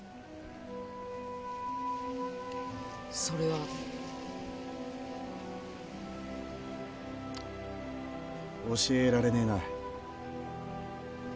それは？教えられねえな。